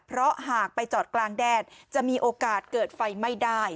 เพราะหากไปจอดกลางแดดจะมีโอกาสเกิดไฟไม่ได้